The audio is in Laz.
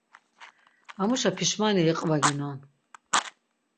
Amuşa pişmani iqvaginon!